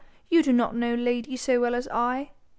you do not know Lady so well as I.